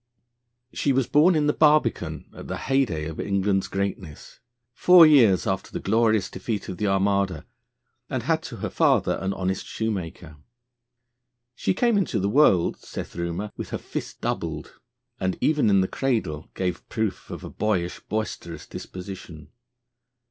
She was born in the Barbican at the heyday of England's greatness, four years after the glorious defeat of the Armada, and had to her father an honest shoemaker. She came into the world (saith rumour) with her fist doubled, and even in the cradle gave proof of a boyish, boisterous disposition.